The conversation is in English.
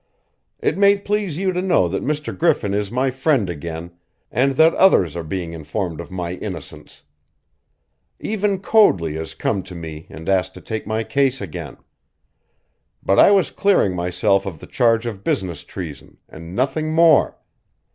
It may please you to know that Mr. Griffin is my friend again, and that others are being informed of my innocence. Even Coadley has come to me and asked to take my case again. But I was clearing myself of the charge of business treason, and nothing more.